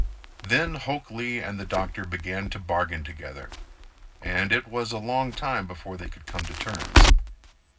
Then Hok Lee and the doctor began to bargain together, and it was a long time before they could come to terms.